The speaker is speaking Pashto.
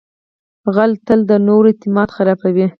غل تل د نورو اعتماد خرابوي